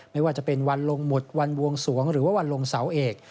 ไม่ว่าจะเป็นวันลงหมดวันบวงสวงหรือว่าวันลงเสาเอก